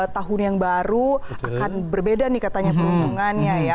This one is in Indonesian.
tahun yang baru akan berbeda nih katanya peruntungannya ya